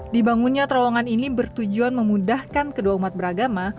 dibangunnya terowongan ini bertujuan memudahkan kedua umat beragama